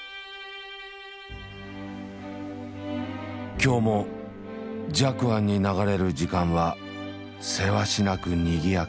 今日も寂庵に流れる時間はせわしなくにぎやかだ。